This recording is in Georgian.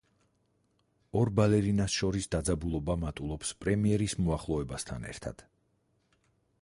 ორ ბალერინას შორის დაძაბულობა მატულობს პრემიერის მოახლოებასთან ერთად.